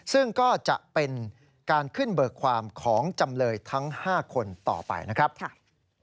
ซึ่งก็จะเป็นการขึ้นเบิกความของจำเลยทั้ง๕คนต่อไปนะครับ